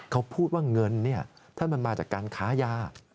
เขาพูดว่าเงินถ้ามันมาจากการค้ายา